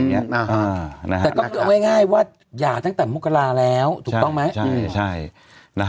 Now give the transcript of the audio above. เนี้ยอ่าฮะนะฮะก็ง่ายง่ายว่าอยากตั้งแต่มุกราแล้วถูกต้องไหมใช่ใช่นะ